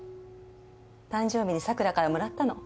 誕生日に桜からもらったの。